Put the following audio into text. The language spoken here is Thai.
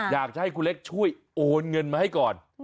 อยากจะให้คุณเล็กช่วยโอนเงินมาให้ก่อน